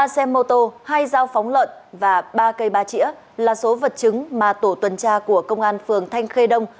ba xe mô tô hai dao phóng lợn và ba cây ba chỉa là số vật chứng mà tổ tuần tra của công an phường thanh khê đông